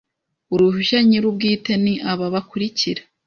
uruhushya nyir ubwite ni aba bakurikira